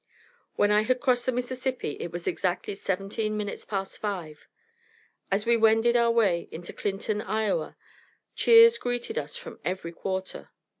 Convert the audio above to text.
When I had crossed the Mississippi it was exactly seventeen minutes past five. As we wended our way into Clinton, Ia., cheers greeted us from every quarter.